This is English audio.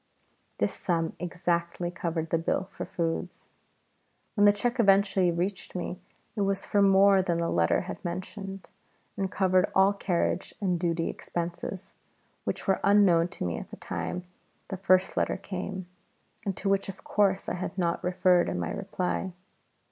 This sum exactly covered the bill for the foods. When the cheque eventually reached me it was for more than the letter had mentioned, and covered all carriage and duty expenses, which were unknown to me at the time the first letter came, and to which of course I had not referred in my reply.